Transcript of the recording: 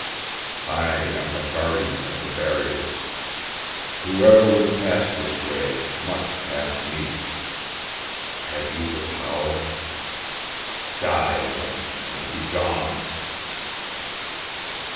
I am the guardian of the Barrier. Whoever would pass this way must pass me. Have you the power? Die, then, and begone."